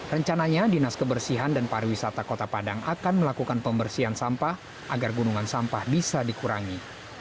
rencananya dinas kebersihan dan pariwisata kota padang akan melakukan pembersihan sampah agar gunungan sampah bisa dikurangi